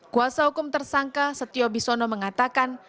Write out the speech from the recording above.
kuasa hukum tersangka setio bisono mengatakan